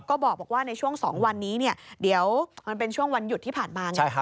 ก็บอกว่าในช่วง๒วันนี้เดี๋ยวมันเป็นช่วงวันหยุดที่ผ่านมาไง